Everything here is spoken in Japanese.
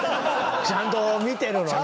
ちゃんと見てるのに。